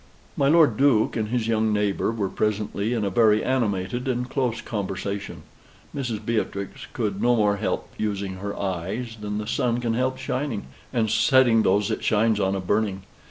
My Lord Duke and his young neighbor were presently in a very animated and close conversation. Mrs. Beatrix could no more help using her eyes than the sun can help shining, and setting those it shines on a burning.